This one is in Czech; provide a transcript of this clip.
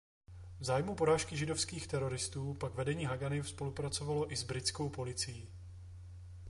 V zájmu porážky židovských teroristů pak vedení Hagany spolupracovalo i s britskou policií.